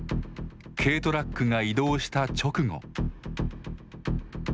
軽トラックが移動した直後。